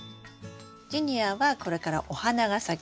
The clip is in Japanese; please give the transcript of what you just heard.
ジニアはこれからお花が咲きます。